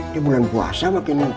dia bulan puasa makin